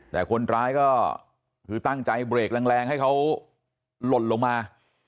แต่คนร้ายก็คือตั้งใจเบรกแรงให้เขาหล่นลงมา